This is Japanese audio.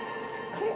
あれ？